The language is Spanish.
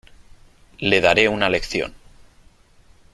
Le daré una lección .